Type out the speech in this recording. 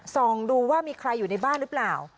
ส่องดูว่ามีใครอยู่ในบ้านหรือเปล่า